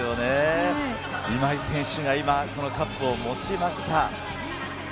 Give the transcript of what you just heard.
今井選手が今カップを持ちました。